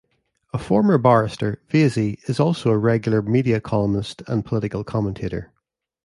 A former barrister, Vaizey is also a regular media columnist and political commentator.